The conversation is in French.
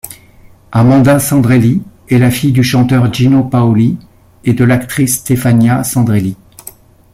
Amanda Sandrelli est la fille du chanteur Gino Paoli et de l'actrice Stefania Sandrelli.